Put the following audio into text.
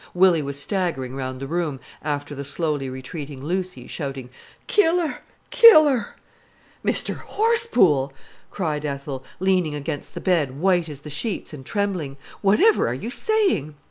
Willy was staggering round the room, after the slowly retreating Lucy, shouting: "Kill her! Kill her!" "Mr Horsepool!" cried Ethel, leaning against the bed, white as the sheets, and trembling. "Whatever are you saying?"